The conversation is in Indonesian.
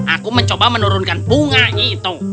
aku mencoba menurunkan bunga itu